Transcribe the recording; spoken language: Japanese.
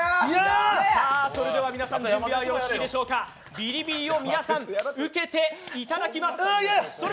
ビリビリを皆さん受けていただきます。